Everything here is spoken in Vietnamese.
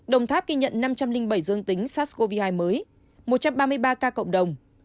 đồng tháp ghi nhận năm trăm linh bảy dương tính sars cov hai mới một trăm ba mươi ba ca cộng đồng